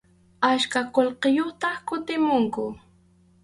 Achka qullqiyuqtaq kutimuqku.